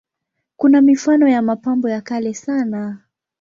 Kuna mifano ya mapambo ya kale sana.